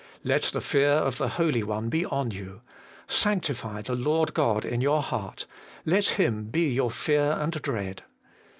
Let the fear of the Holy One be on you : sanctify the Lord God in your heart : let Him be your fear and dread.